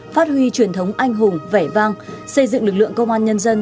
phát huy truyền thống anh hùng vẻ vang xây dựng lực lượng công an nhân dân